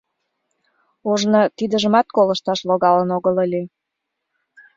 Ожно тидыжымат колышташ логалын огыл ыле.